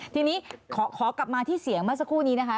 ทีนี้ขอกลับมาที่เสียงเมื่อสักครู่นี้นะคะ